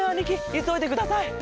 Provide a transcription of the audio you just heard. いそいでください。